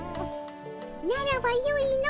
ならばよいの。